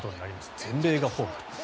全米がホームと。